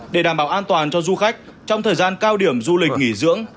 để đảm bảo an toàn cho du khách trong thời gian cao điểm du lịch nghỉ dưỡng